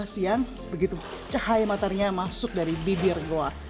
dua siang begitu cahaya matarnya masuk dari bibir gua